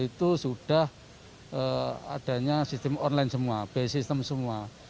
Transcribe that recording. itu sudah adanya sistem online semua base system semua